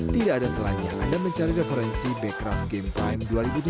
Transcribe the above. tidak ada salahnya anda mencari referensi becraft game prime dua ribu tujuh belas